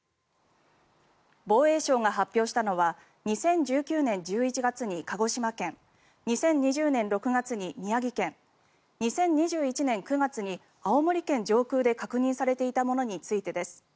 防衛省が発表したのは２０１９年１１月に鹿児島県２０２０年６月に宮城県２０２１年９月に青森県上空で確認されていたものについてです。